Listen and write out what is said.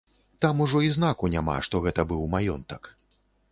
Там ужо і знаку няма, што гэта быў маёнтак.